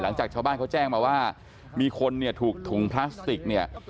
หลังจากชาวบ้านเขาแจ้งมาว่ามีคนถูกถุงพลาสติก